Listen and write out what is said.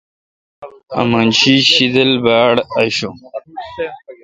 آمن شی تہ شیدل باڑآشون۔